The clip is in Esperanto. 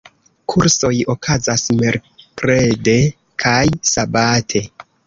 Kursoj okazas merkrede kaj sabate.